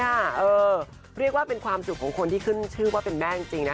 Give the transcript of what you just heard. เรียกว่าเป็นความสุขของคนที่ขึ้นชื่อว่าเป็นแม่จริงนะ